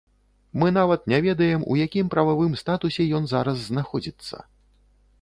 Мы нават не ведаем, у якім прававым статусе ён зараз знаходзіцца.